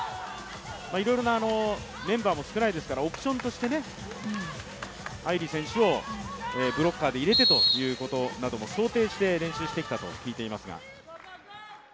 いろいろな、メンバーも少ないですからオプションとして藍梨選手をブロッカーで入れてということも想定して練習してきたと聞いていますが。